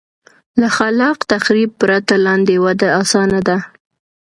له خلاق تخریب پرته لاندې وده اسانه ده.